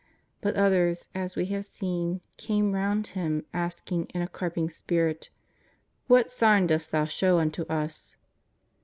But others, as we have seen, came round Him asking in a carping spirit :" What sign dost Thou show unto us